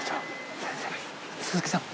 鈴木さん。